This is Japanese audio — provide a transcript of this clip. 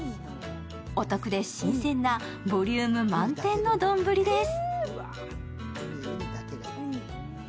お得で新鮮なボリューム満点の丼です。